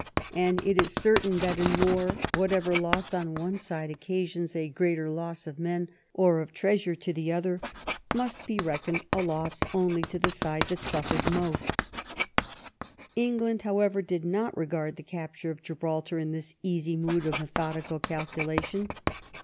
And it is certain that in war, whatsoever loss on one side occasions a greater loss of men, or of treasure, to the other, must be reckoned a loss only to the side that suffers most" England, however, did not regard the capture of Gibraltar in this easy mood of methodical calculation.